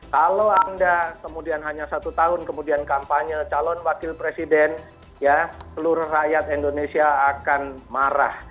kalau anda kemudian hanya satu tahun kemudian kampanye calon wakil presiden seluruh rakyat indonesia akan marah